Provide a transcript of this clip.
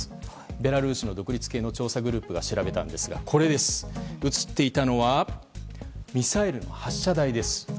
ベラルーシの独立系の調査グループが調べたんですが映っていたのはミサイルの発射台です。